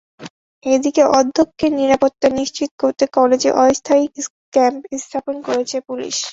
এদিকে অধ্যক্ষের নিরাপত্তা নিশ্চিত করতে কলেজে অস্থায়ী ক্যাম্প স্থাপন করেছে পুলিশ।